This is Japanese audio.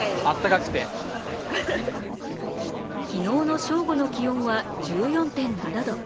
昨日の正午の気温は１４．７度。